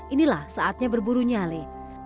inilah saatnya berburu nyalai